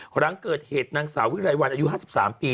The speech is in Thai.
หลังเกิดเหตุนางสาววิรายวรรย์อายุ๕๓ปีเนี่ย